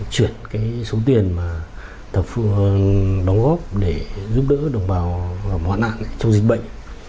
chuyển cái số tiền mà tập phương đóng góp để giúp đỡ đồng bào hoạn nạn trong dịch bệnh